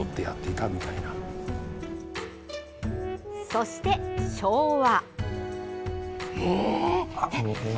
そして、昭和。